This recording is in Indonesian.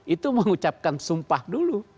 itu mengucapkan sumpah dulu